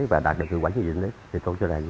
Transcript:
và đạt được hiệu quả nhất định